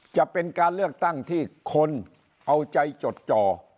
จะเป็นการเลือกตั้งที่คนเอาใจจดจ่อ